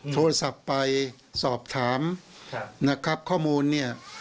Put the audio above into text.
โทรศัพท์ไปสอบถามข้อมูล